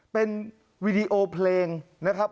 เป็นวีดีโอเพลงนะครับ